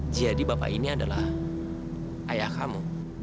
jadi bapak ini adalah ayah kamu